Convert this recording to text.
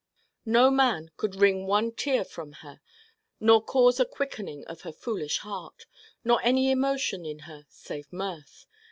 No man could wring one tear from her, nor cause a quickening of her foolish Heart, nor any emotion in her save mirth.